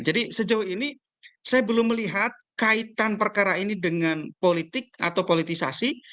jadi sejauh ini saya belum melihat kaitan perkara ini dengan politik atau politisasi